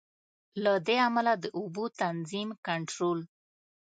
له دې امله د اوبو تنظیم، کنټرول.